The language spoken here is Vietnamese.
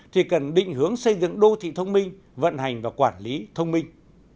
thì cần định hướng xây dựng đô thị thông minh vận hành và quản lý thông minh